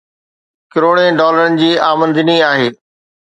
ڪروڙين ڊالرن جي آمدني آهي